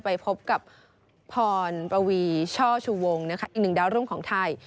ไปพบกับพรปวีช่อชูวงนะคะอีกหนึ่งดาวรุ่งของไทย